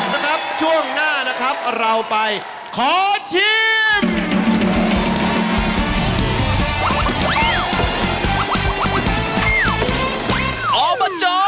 นะครับช่วงหน้านะครับเราไปขอชิม